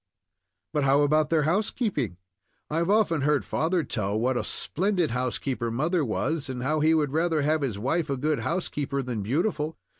"But how about their housekeeping? I've often heard father tell what a splendid housekeeper mother was, and how he would rather have his wife a good housekeeper than beautiful."